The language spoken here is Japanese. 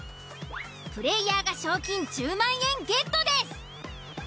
プレイヤーが賞金１０万円ゲットです！